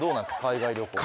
海外旅行。